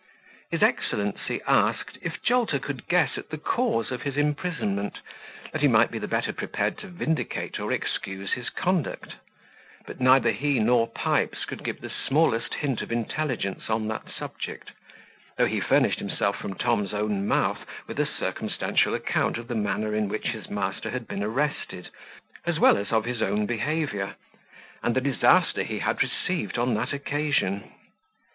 His excellency asked, if Jolter could guess at the cause of his imprisonment, that he might be the better prepared to vindicate or excuse his conduct: but neither he nor Pipes could give the smallest hint of intelligence on that subject; though he furnished himself from Tom's own mouth with a circumstantial account of the manner in which his master had been arrested, as well as of his own behaviour, and the disaster he had received on that occasion.